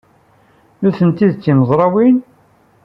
Nitenti d timezrawin?